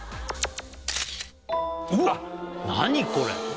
うわっ何これ？